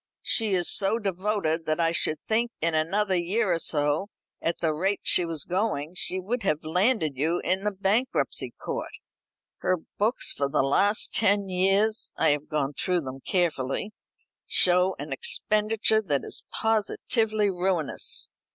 "She is so devoted, that I should think in another year or so, at the rate she was going, she would have landed you in the bankruptcy court. Her books for the last ten years I have gone through them carefully show an expenditure that is positively ruinous.